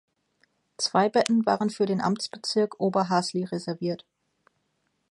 Zwei Betten waren für den Amtsbezirk Oberhasli reserviert.